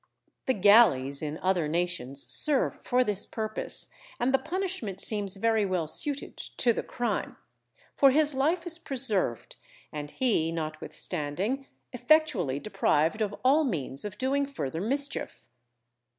The galleys in other nations serve for this purpose and the punishment seems very well suited to the crime; for his life is preserved, and he, notwithstanding, effectually deprived of all means of doing further mischief.